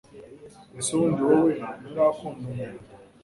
ese ubundi wowe nturakunda umuntu